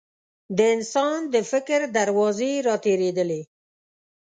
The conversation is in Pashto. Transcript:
د انسان د فکر دروازې راتېرېدلې.